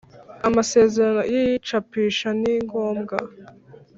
Amasezerano y’ icapisha ni ngombwa